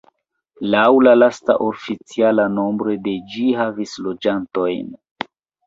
Laŭ la lasta oficiala nombro de ĝi havis loĝantojn.